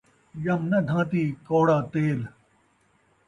ڄم ناں دھان٘تی ، کوڑا تیل